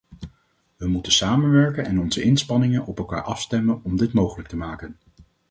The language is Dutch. We moeten samenwerken en onze inspanningen op elkaar afstemmen om dit mogelijk te maken.